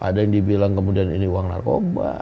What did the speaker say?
ada yang dibilang kemudian ini uang narkoba